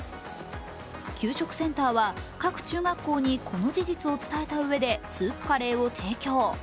給食センターは各中学校にこの事実を伝えたうえでスープカレーを提供。